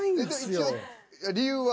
一応理由は？